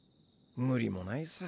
無理もないさ。